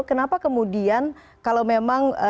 kenapa kemudian kalau memang